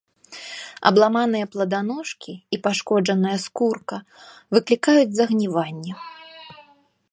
Абламаныя пладаножкі і пашкоджаная скурка выклікаюць загніванне.